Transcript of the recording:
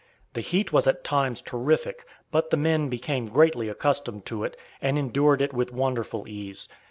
The heat was at times terrific, but the men became greatly accustomed to it, and endured it with wonderful ease.